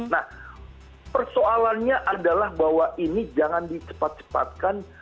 nah persoalannya adalah bahwa ini jangan di cepat cepatkan